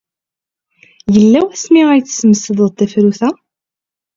Yella wasmi ay tesmesdeḍ tafrut-a?